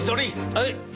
はい！